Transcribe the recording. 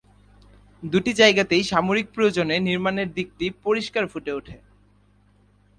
দুটি জায়গাতেই সামরিক প্রয়োজনে নির্মাণের দিকটি পরিষ্কার ফুটে ওঠে।